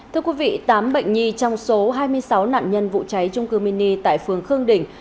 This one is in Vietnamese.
thưa quý vị tám bệnh nhi trong số hai mươi sáu nạn nhân vụ cháy trung cư mini tại phường khương đình